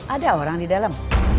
ada orang di dalam